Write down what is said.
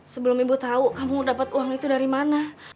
sebelum ibu tau kamu mau dapet uang itu dari mana